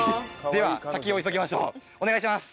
では先を急ぎましょうお願いします。